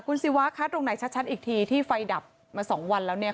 คุณศิวะคะตรงไหนชัดอีกทีที่ไฟดับมาสองวันแล้วเนี่ย